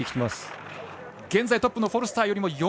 現在トップのフォルスターよりも